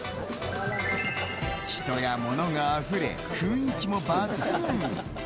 人や物があふれ、雰囲気も抜群。